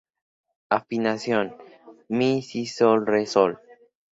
Afinación: mi, si, sol, re, sol